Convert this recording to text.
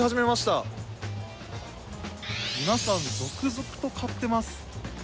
皆さん続々と買ってます。